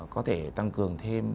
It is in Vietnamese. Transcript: có thể tăng cường thêm